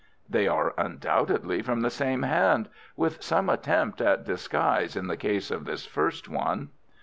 "They are undoubtedly from the same hand—with some attempt at disguise in the case of this first one."